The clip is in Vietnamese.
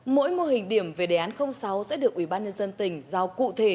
mỗi mô hình điểm về đề án sáu sẽ được ubnd tỉnh giao cụ thể